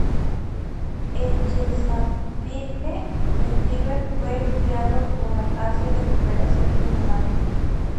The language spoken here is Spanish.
El Chesapeake retriever fue criado para la caza y recuperación en el agua.